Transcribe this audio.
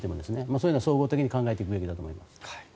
そういうのを総合的に考えていくべきだと思います。